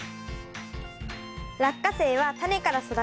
ラッカセイはタネから育てます。